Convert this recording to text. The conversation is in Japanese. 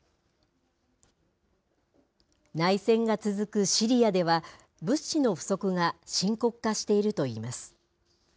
内戦が続くシリアでは、物資の不足が深刻化しているといいます。